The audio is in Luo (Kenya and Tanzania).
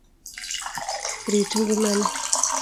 Rit ngima ni.